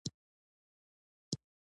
لوړو څوکو ته د رسېدو حیرانوونکې تجربې وکړې،